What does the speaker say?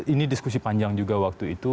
ini diskusi panjang juga waktu itu